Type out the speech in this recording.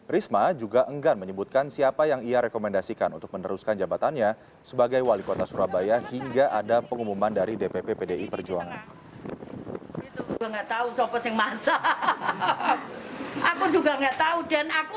risma juga enggan menyebutkan siapa yang ia rekomendasikan untuk meneruskan jabatannya sebagai wali kota surabaya hingga ada pengumuman dari dpp pdi perjuangan